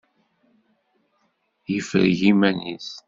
Ifreg iman-is.